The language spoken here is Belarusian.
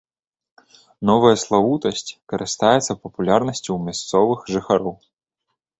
Новая славутасць карыстаецца папулярнасцю ў мясцовых жыхароў.